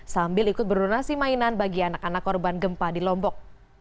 sambil ikut berdonasi mainan bagi anak anak korban gempa di lombok